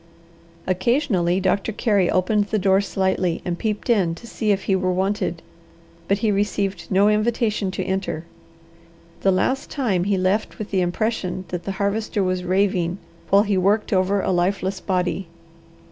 Occasionally Doctor Carey opened the door slightly and peeped in to see if he were wanted, but he received no invitation to enter. The last time he left with the impression that the Harvester was raving, while he worked over a lifeless body.